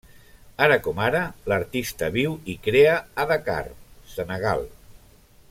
Ara com ara, l'artista viu i crea a Dakar, Senegal.